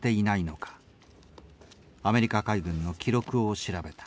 アメリカ海軍の記録を調べた。